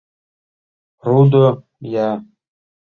— Рудо-я!